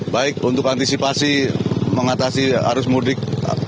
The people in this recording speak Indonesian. baik untuk antisipasi mengatasi arus mudik